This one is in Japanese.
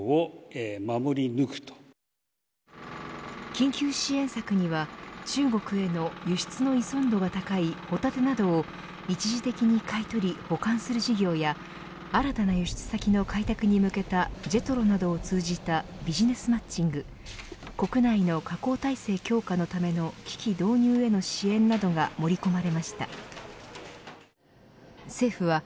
緊急支援策には中国への輸出の依存度が高いホタテなどを一時的に買い取り保管する事業や新たな輸出先の開拓に向けたＪＥＴＲＯなどを通じたビジネスマッチング国内の加工体制強化のための機器導入への支援などが盛り込まれました。